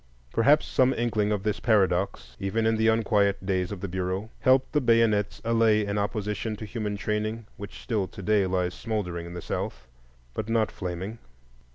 Perhaps some inkling of this paradox, even in the unquiet days of the Bureau, helped the bayonets allay an opposition to human training which still to day lies smouldering in the South, but not flaming.